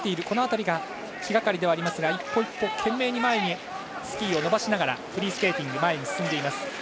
この辺りが気がかりではありますが１歩１歩懸命にスキーを伸ばしながらフリースケーティング前に進んでいます。